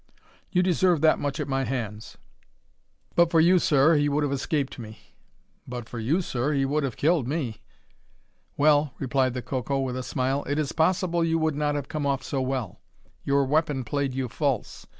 You deserve that much at my hands. But for you, sir, he would have escaped me." "But for you, sir, he would have killed me." "Well," replied the Coco, with a smile, "it is possible you would not have come off so well. Your weapon played you false.